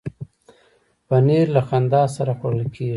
پنېر له خندا سره خوړل کېږي.